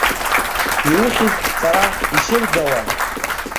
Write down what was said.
Иухьыз сара исырӡауам.